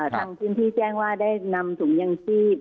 ทางพื้นที่แจ้งว่าได้นำถุงยังชีพ